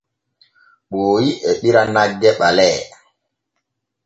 Ɓooyi e ɓira nagge ɓalee.